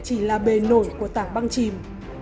chỉ là bề nổi của tảng băng chìm